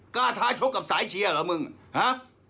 กล้าท้าชกกับสายเชียร์เหรอมึงฮะ